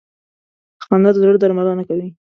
خندا د زړه درملنه کوي.